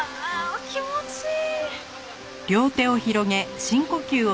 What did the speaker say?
気持ちいい！